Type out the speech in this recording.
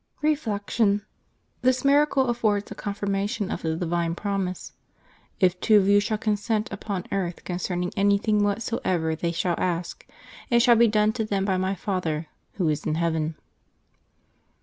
Reflection. — This miracle affords a confirmation of the divine promise, "If two of you shall consent upon earth concerning anything whatsoever they shall ask, it shall be done to them by My Father Wlio is in heaven."